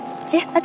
sampai jumpa lagi